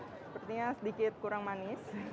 sepertinya sedikit kurang manis